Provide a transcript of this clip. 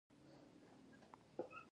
د کرامت دا تفسیر له خپلو لوازمو سره راځي.